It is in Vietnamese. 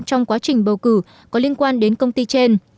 trong quá trình bầu cử có liên quan đến công ty trên